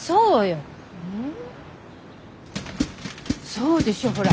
そうでしょほら。